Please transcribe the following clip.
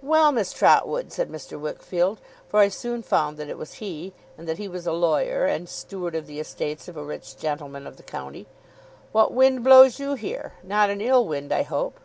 'Well, Miss Trotwood,' said Mr. Wickfield; for I soon found that it was he, and that he was a lawyer, and steward of the estates of a rich gentleman of the county; 'what wind blows you here? Not an ill wind, I hope?